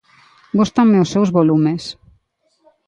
Gústanme os seus volumes.